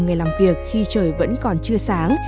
nghề làm việc khi trời vẫn còn chưa sáng